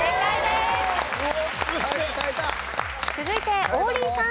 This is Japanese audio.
続いて王林さん。